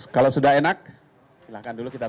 kalau sudah enak silahkan dulu kita